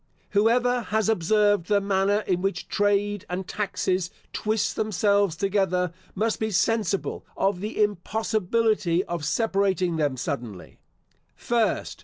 Whoever has observed the manner in which trade and taxes twist themselves together, must be sensible of the impossibility of separating them suddenly. First.